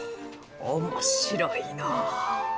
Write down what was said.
面白いのう。